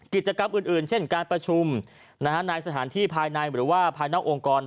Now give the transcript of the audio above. กิจกรรมอื่นเช่นการประชุมในสถานที่ภายในหรือว่าภายนอกองค์กร